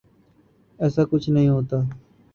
ایساکچھ نہیں ہوا۔